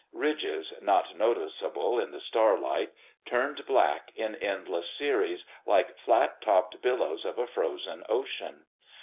Ridges, not noticeable in the starlight, turned black in endless series, like flat topped billows of a frozen ocean.